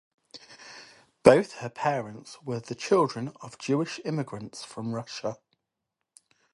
Both her parents were the children of Jewish immigrants from Russia.